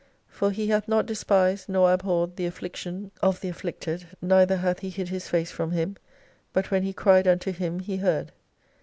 For He hath not despised nor abhorred the affliction oj the afflicted, neither hath He hid His face jrom him, but when he cried unto Him He heard.